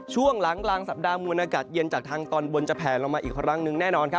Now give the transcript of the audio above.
ช่วงหลังสัปดาห์มูลอากาศเย็นจากทางตอนบนจับแผนลงมาอีกครั้งนึงแน่นอนครับ